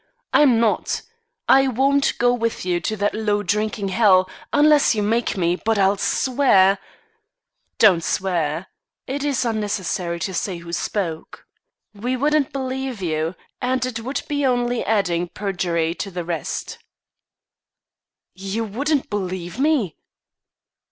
I'm not. I won't go with you to that low drinking hell, unless you make me, but I'll swear " "Don't swear." It is unnecessary to say who spoke. "We wouldn't believe you, and it would be only adding perjury to the rest." "You wouldn't believe me?"